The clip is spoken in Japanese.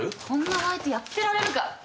こんなバイトやってられるか！